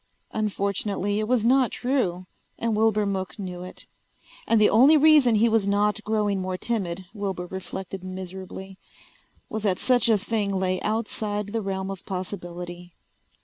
Unfortunately it was not true and Wilbur Mook knew it. And the only reason he was not growing more timid, Wilbur reflected miserably, was that such a thing lay outside the realm of possibility.